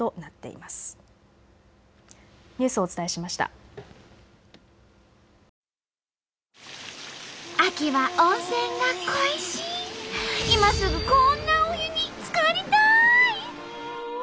今すぐこんなお湯につかりたい！